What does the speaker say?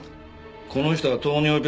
この人は糖尿病患者だ。